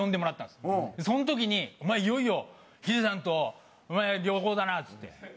その時に「お前いよいよヒデさんと旅行だな」っつって。